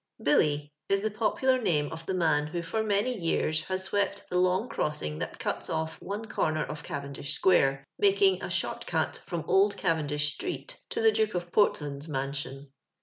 "Billy" is the popular name of the man who for many years has swept the long crossing that cuts oflf one comer of Caven dish square, making a '* short cut" from Old Cavendish street to the Duke of Portland's mansion.